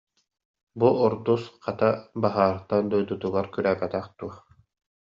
Бу урдус, хата, баһаартан дойдутугар күрээбэтэх дуо